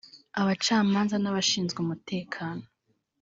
abacamanza n’abashinzwe umutekano